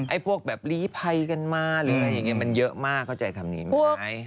พวกแบบลีภัยกันมาหรืออะไรอย่างนี้มันเยอะมากเข้าใจคำนี้ไหม